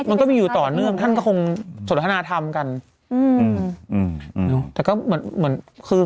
มันก็มีอยู่ต่อเนื่องท่านก็คงสนทนาธรรมกันอืมอืมเนอะแต่ก็เหมือนเหมือนคือ